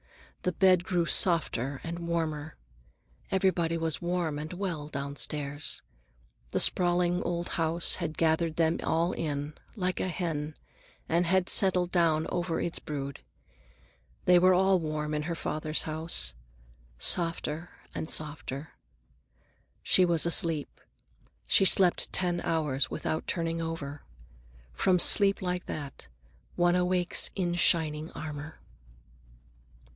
The bed grew softer and warmer. Everybody was warm and well downstairs. The sprawling old house had gathered them all in, like a hen, and had settled down over its brood. They were all warm in her father's house. Softer and softer. She was asleep. She slept ten hours without turning over. From sleep like that, one awakes in shining armor.